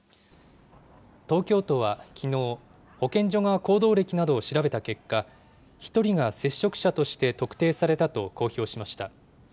東京都はきのう、保健所が行動歴などを調べた結果、１人が接触者として特定されたと公表しました。